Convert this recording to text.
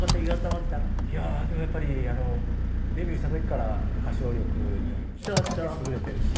いやーでもやっぱりデビューした時から歌唱力に優れているし。